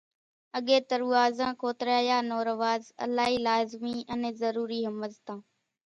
اڳيَ ترُووازان کوتريا نون رواز الائِي لازمِي انين ضرورِي ۿمزتان۔